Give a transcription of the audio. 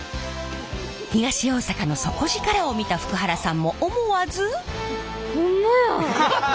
東大阪の底力を見た福原さんも思わず。